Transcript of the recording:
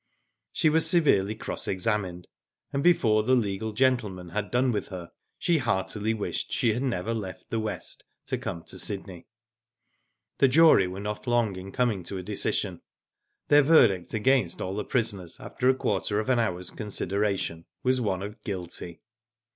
She was severely cross examined, and before the legal gentleman had done with her she heartily wished she had never left the West to come to Sydney. The jury were not long in coming to a decision. Their verdict against all the prisoners, after a quarter of an hour's consideration, was one of *' guilty."